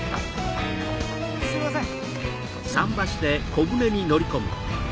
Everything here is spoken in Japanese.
すいません！